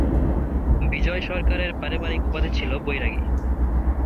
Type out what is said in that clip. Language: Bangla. বিজয় সরকার-এর পারিবারিক উপাধি ছিল বৈরাগী।